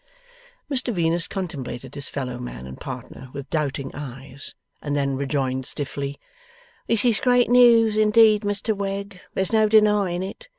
Mr Venus contemplated his fellow man and partner with doubting eyes, and then rejoined stiffly: 'This is great news indeed, Mr Wegg. There's no denying it.